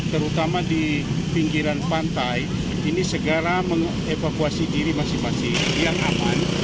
terutama di pinggiran pantai ini segera mengevakuasi diri masing masing yang aman